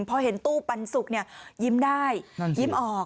พอเห็นตู้ปันสุกยิ้มได้ยิ้มออก